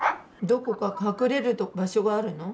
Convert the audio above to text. どこか隠れる場所があるの？